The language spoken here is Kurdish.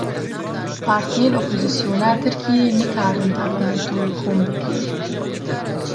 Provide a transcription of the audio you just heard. Partiyên opozîsyona Tirkiyeyê nekarin parlamentoyê kom bike.